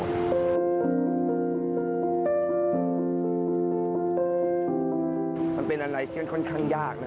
เป็นอันแรกเชื้อเทียมถ้างี้